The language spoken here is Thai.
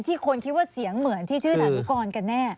ที่คนคิดว่าเสียงเหมือนที่ชื่อถัดลูกกรกันแน่